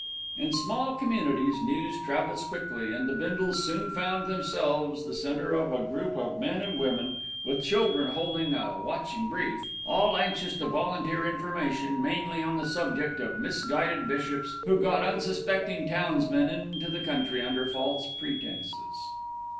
In small communities news travels quickly, and the Bindles soon found themselves the centre of a group of men and women (with children holding a watching brief), all anxious to volunteer information, mainly on the subject of misguided bishops who got unsuspecting townsmen into the country under false pretences.